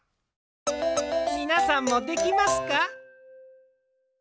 みなさんもできますか？